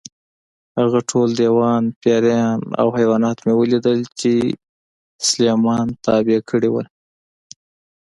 هغه ټول دیوان، پېریان او حیوانات مې ولیدل چې سلیمان تابع کړي وو.